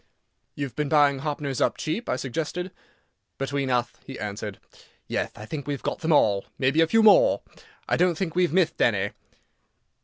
"You've been buying Hoppners up cheap," I suggested. "Between uth," he answered, "yeth, I think we've got them all. Maybe a few more. I don't think we've mithed any."